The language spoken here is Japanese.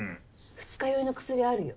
二日酔いの薬あるよ。